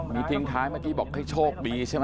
มีทิ้งท้ายเมื่อกี้บอกให้โชคดีใช่ไหม